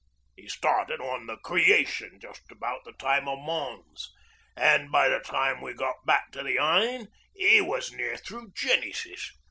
'E started on the Creation just about the time o' Mons, an' by the time we'd got back to the Aisne 'e was near through Genesis.